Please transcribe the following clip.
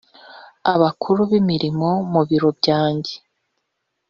abakuru b imirimo mu biro byanjye